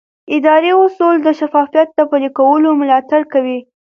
اداري اصول د شفافیت د پلي کولو ملاتړ کوي.